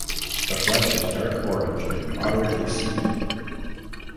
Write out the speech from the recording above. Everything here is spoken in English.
The flesh is dark orange and moderately seedy.